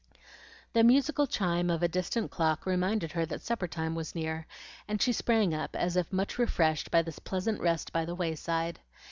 The musical chime of a distant clock reminded her that supper time was near, and she sprang up as if much refreshed by this pleasant rest by the way side.